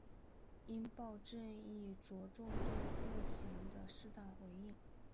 应报正义着重对恶行的适当回应。